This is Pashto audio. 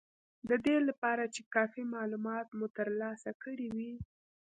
د دې لپاره چې کافي مالومات مو ترلاسه کړي وي